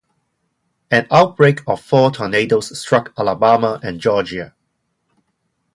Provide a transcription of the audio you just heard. An outbreak of four tornadoes struck Alabama and Georgia.